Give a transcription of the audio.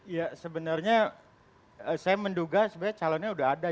ya sebenarnya saya menduga sebenarnya calonnya sudah ada